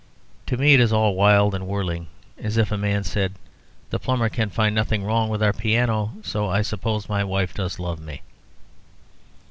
To me it is all wild and whirling; as if a man said "The plumber can find nothing wrong with our piano; so I suppose that my wife does love me."